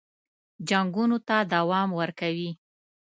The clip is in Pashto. جنګونو ته دوام ورکوي.